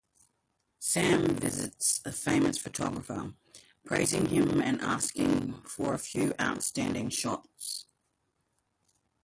Sam visits a famous photographer, praising him and asking for a few outstanding shots.